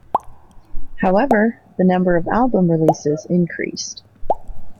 However, the number of album releases increased.